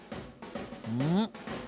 うん？